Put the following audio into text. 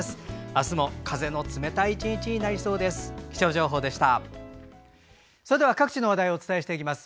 明日も風の冷たい１日になりそうです。